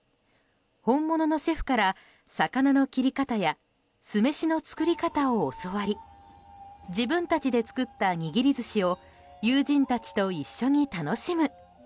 本物のシェフから、魚の切り方や酢飯の作り方を教わり自分たちで作った握り寿司を友人たちと一緒に楽しむ。